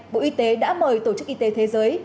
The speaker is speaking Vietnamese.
bộ y tế đã mời tổ chức y tế thế giới